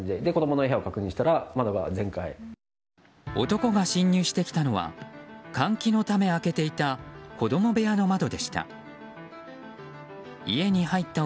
男が侵入してきたのは換気のため開けていた子供部屋の窓でした。